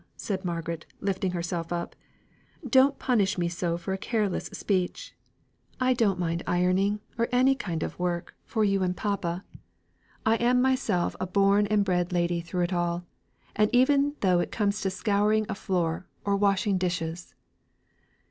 said Margaret, lifting herself up, "don't punish me for so careless a speech. I don't mind ironing, or any kind of work for you and papa. I am myself a born and bred lady through it all, even though it comes to scouring a floor, or washing dishes.